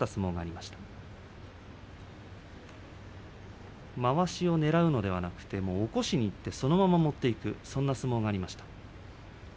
まわしをねらうのではなく起こしにいってそのまま持っていく、そんな相撲がありました。